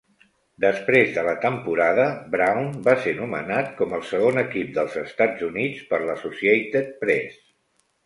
Després de la temporada, Brown va ser nomenat com el Segon Equip dels Estats Units per l'Associated Press.